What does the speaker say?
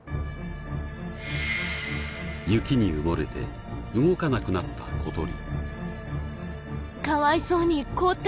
雪に埋もれて動かなくなった小鳥。